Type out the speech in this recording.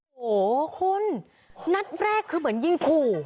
โอ้โหคุณนัดแรกคือเหมือนยิงขู่